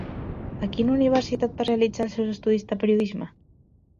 A quina universitat va realitzar els seus estudis de periodisme?